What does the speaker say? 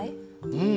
うん。